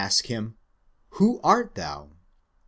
ask him, Who art thou?